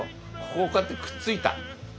ここをこうやってくっついた。